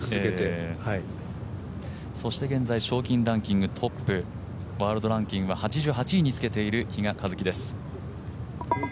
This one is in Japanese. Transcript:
そして現在賞金ランキングトップ、ワールドランキングは８８位につけている比嘉一貴です。